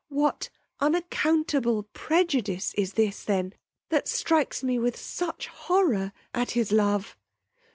What unaccountable prejudice is this then that strikes me with such horror at his love!